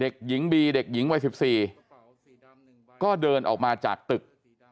เด็กหญิงบีเด็กหญิงวัย๑๔ก็เดินออกมาจากตึก